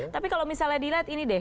tapi kalau misalnya dilihat ini deh